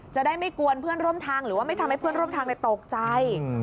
จะได้ไม่กวนเพื่อนร่วมทางหรือว่าไม่ทำให้เพื่อนร่วมทางตกใจ